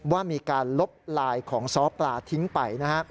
ว่ามีการลบลายของซ้อปลาทิ้งไป